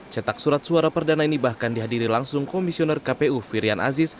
cetak surat suara perdana ini bahkan dihadiri langsung komisioner kpu firian aziz